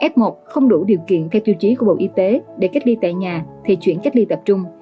f một không đủ điều kiện theo tiêu chí của bộ y tế để cách ly tại nhà thì chuyển cách ly tập trung